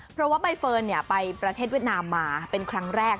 เพราะว่าใบเฟิร์นไปประเทศเวียดนามมาเป็นครั้งแรก